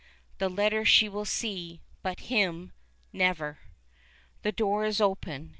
The letter she will see but him never! The door is open.